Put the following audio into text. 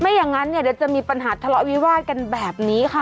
อย่างนั้นเนี่ยเดี๋ยวจะมีปัญหาทะเลาะวิวาดกันแบบนี้ค่ะ